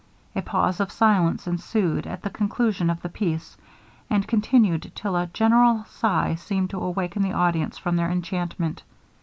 A pause of silence ensued at the conclusion of the piece, and continued till a general sigh seemed to awaken the audience from their enchantment.